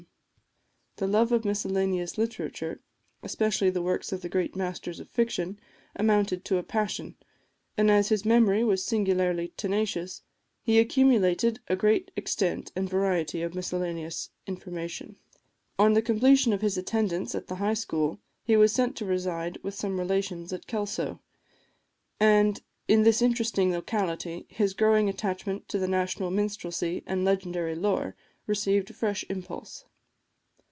As he became older, the love of miscellaneous literature, especially the works of the great masters of fiction, amounted to a passion; and as his memory was singularly tenacious, he accumulated a great extent and variety of miscellaneous information. On the completion of his attendance at the High School, he was sent to reside with some relations at Kelso; and in this interesting locality his growing attachment to the national minstrelsy and legendary lore received a fresh impulse.